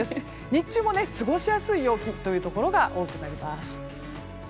日中も過ごしやすい陽気というところが多くなります。